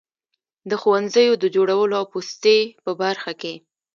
د ښوونځیو د جوړولو او پوستې په برخه کې.